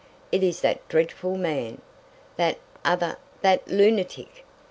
It is that dreadful man! That other that lunatic!"